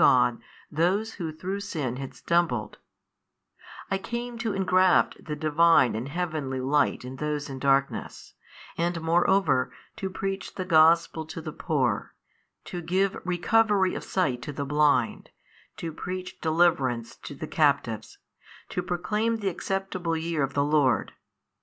God those who through sin had stumbled: I came to engraft the Divine and Heavenly Light in those in darkness, and moreover to preach the Gospel to the poor, to give recovery of sight to the blind, to preach deliverance to the captives, to proclaim the acceptable year of the Lord.